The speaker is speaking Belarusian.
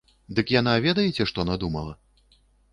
Дык яна ведаеце што надумала?